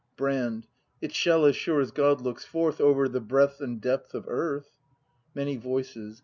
Brand. It shall, as sure as God looks forth Over the breadth and depth of Earth! Many Voices.